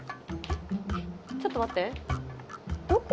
ちょっと待ってどこ？